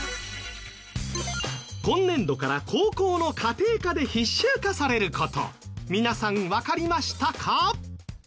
今年度から高校の家庭科で必修化される事皆さんわかりましたか？